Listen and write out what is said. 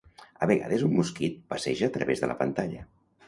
A vegades un mosquit passeja a través de la pantalla.